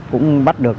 cũng bắt được